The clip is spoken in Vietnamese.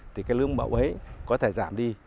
thì cái lượng bảo đảm ấy có thể giảm đi